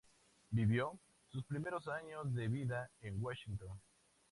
Vivió sus primeros años de vida, en Washington.